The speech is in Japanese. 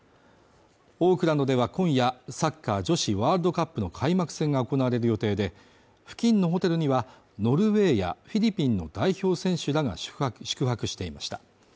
オークランドでは今夜、サッカー女子ワールドカップの開幕戦が行われる予定で、付近のホテルにはノルウェーやフィリピンの代表選手らが宿泊していました。